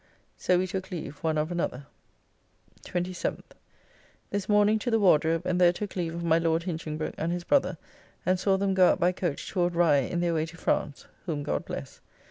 So we took leave one of another. 27th. This morning to the Wardrobe, and there took leave of my Lord Hinchingbroke and his brother, and saw them go out by coach toward Rye in their way to France, whom God bless.